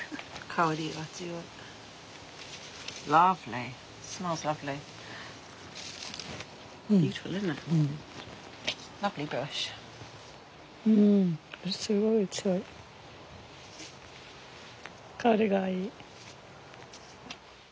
香りがいい。